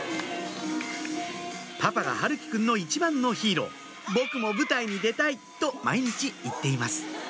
パパが陽喜くんの一番のヒーロー「僕も舞台に出たい！」と毎日言っています